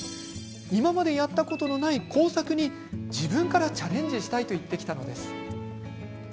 今までやったことのない工作に自分からチャレンジしたいと言ってきたのです。